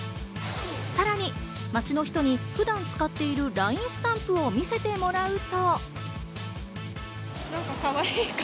さらに街の人に普段使っているＬＩＮＥスタンプを見せてもらうと。